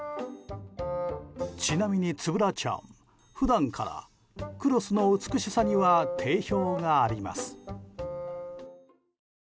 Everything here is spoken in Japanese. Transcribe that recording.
ちなみに、つぶらちゃん普段からクロスの美しさには定評があります。